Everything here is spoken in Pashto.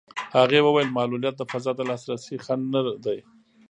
هغې وویل معلولیت د فضا د لاسرسي خنډ نه دی.